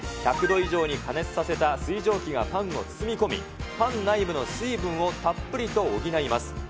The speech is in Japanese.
１００度以上に加熱させた水蒸気がパンを包み込み、パン内部の水分をたっぷりと補います。